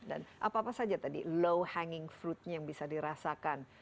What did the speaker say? dan apa apa saja tadi low hanging fruit nya yang bisa dirasakan